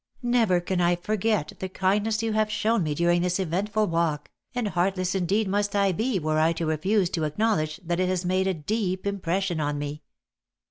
Never can I forget the kindness you have shown me during" this eventful walk, and heartless indeed must I be were I to refuse to acknowledge that it has made a deep impression on me."